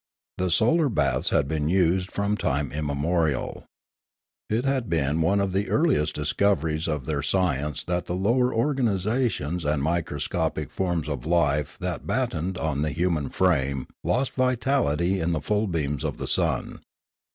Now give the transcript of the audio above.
The solar baths had been used from time immemorial. It had been one of the earliest discoveries of their science that the lower organisations and microscopic forms of life that bat A Catastrophe 151 tened on the human frame lost vitality in the full beams of the sun.